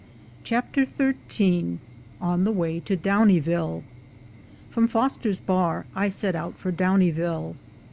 CHAPTER XIII ON THE WAY TO DOWNIEVILLE FROM Foster's Bar I set out for Downieville.